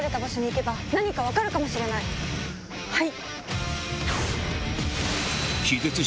はい。